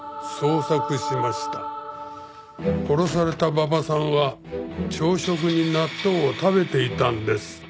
殺された馬場さんは朝食に納豆を食べていたんです。